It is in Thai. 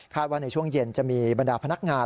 ว่าในช่วงเย็นจะมีบรรดาพนักงาน